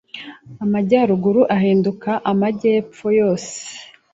Amajyaruguru ahinduka amajyepfo yose